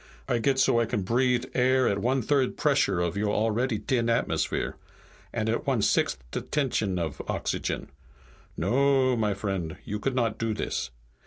I get so I can breathe air at one third the pressure of your already t'in atmosphere. And at one sixt' the tension of oxygen. No, my vriend, you could not do this.